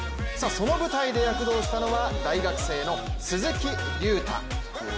その舞台で活躍したのは、大学生の鈴木隆太。